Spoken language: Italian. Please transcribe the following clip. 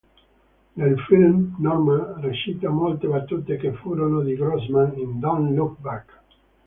Nel film Norman recita molte battute che furono di Grossman in "Dont Look Back".